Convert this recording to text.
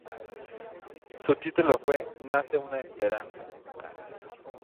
Su título fue "Nace una Esperanza".